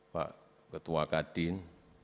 pak ketua kadin